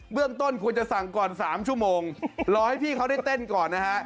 เรื่องต้นควรจะสั่งก่อน๓ชั่วโมงรอให้พี่เขาได้เต้นก่อนนะฮะ